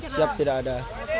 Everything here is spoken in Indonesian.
siap tidak ada